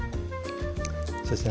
そうですね